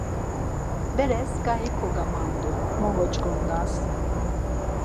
Beres ǩai kogamandu, mo goç̌ǩondas!